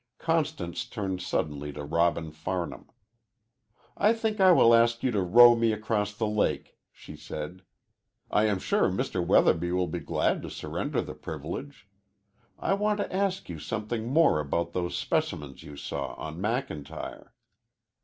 Constance turned suddenly to Robin Farnham. "I think I will ask you to row me across the lake," she said. "I am sure Mr. Weatherby will be glad to surrender the privilege. I want to ask you something more about those specimens you saw on McIntyre."